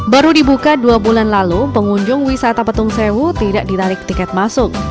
baru dibuka dua bulan lalu pengunjung wisata petung sewu tidak ditarik tiket masuk